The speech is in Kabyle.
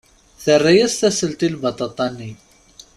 Terra-as tasselt i lbaṭaṭa-nni.